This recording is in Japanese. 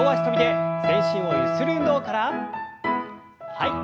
はい。